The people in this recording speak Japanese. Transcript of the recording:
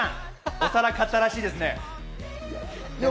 お皿買ったらしいですね。